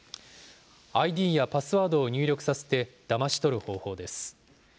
ＩＤやパスワードを入力させてだまし取る方法です。